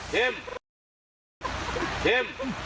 กิมกิม